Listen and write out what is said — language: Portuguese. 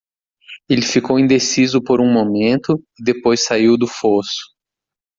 Ele ficou indeciso por um momento e depois saiu do fosso.